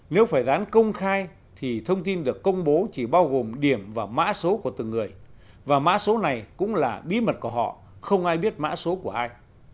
nếu phải dán công khai thì thông tin được công bố chỉ bao gồm điểm và mã số của từng người và mã số này cũng là bí mật của họ không ai biết mã số của ai